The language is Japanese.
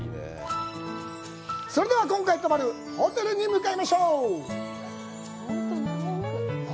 それでは、今回泊まるホテルに向かいましょう。